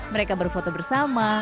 mereka berfoto bersama